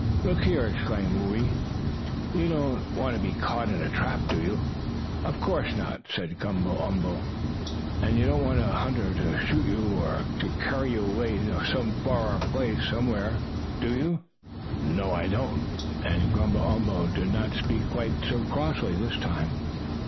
"Look here!" exclaimed Whoo ee, "you don't want to be caught in a trap, do you?" "Of course not," said Gumble umble. "And you don't want a hunter to shoot you, or to carry you away far off somewhere, do you?" "You know I don't," and Gumble umble did not speak quite so crossly this time.